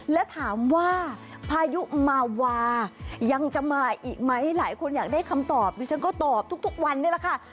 และถามว่าพายุมาวายังจะมาอีกไหมหลายคนอยากได้คำตอบดิฉันก็ตอบทุกวันนี้แหละค่ะ